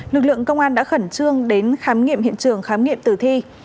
lực lượng công an đã khẩn trương đến khám nghiệm hiện trường khám nghiệm tử thi